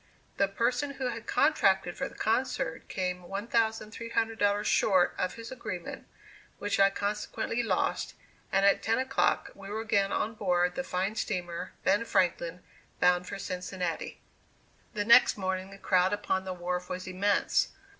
The person who had contracted for the concert came $1,300 short of his agreement, which I consequently lost, and at ten o'clock we were again on board the fine steamer "Ben Franklin" bound for Cincinnati. The next morning the crowd upon the wharf was immense.